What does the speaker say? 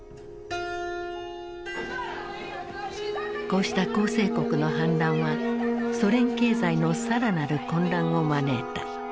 こうした構成国の反乱はソ連経済の更なる混乱を招いた。